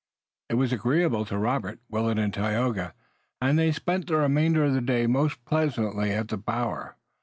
It was agreeable to Robert, Willet and Tayoga, and they spent the remainder of the day most pleasantly at the bower.